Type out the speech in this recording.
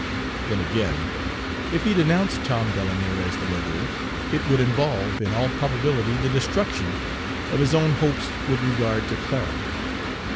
Then again, if he denounced Tom Delamere as the murderer, it would involve, in all probability, the destruction of his own hopes with regard to Clara.